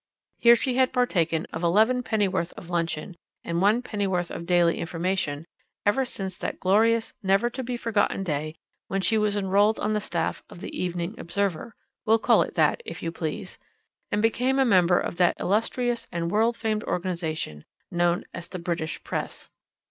Here she had partaken of eleven pennyworth of luncheon and one pennyworth of daily information ever since that glorious never to be forgotten day when she was enrolled on the staff of the Evening Observer (we'll call it that, if you please), and became a member of that illustrious and world famed organization known as the British Press.